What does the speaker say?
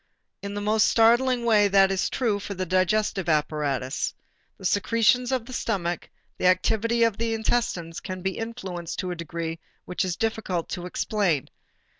In the most startling way that is true for the digestive apparatus. The secretions of the stomach, the activity of the intestines can be influenced to a decree which it is difficult to explain.